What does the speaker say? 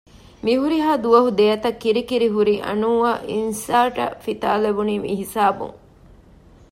މިހުރިހާ ދުވަހު ދެއަތަށް ކިރިކިރި ހުރި އަނޫއަށް އިންސާރޓަށް ފިތާލެވުނީ މިހިސާބުން